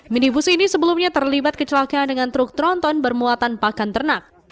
minibus ini sebelumnya terlibat kecelakaan dengan truk tronton bermuatan pakan ternak